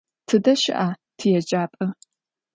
Тыдэ щыӏа тиеджапӏэ?